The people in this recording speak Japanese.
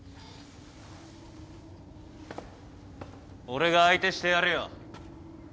俺が相手してやるよ。